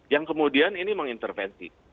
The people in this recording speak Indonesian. yang kemudian ini mengintervensi